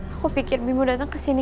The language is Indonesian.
aku pikir bimo datang kesini